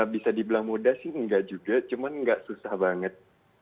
bisa dibilang mudah sih enggak juga cuman nggak susah banget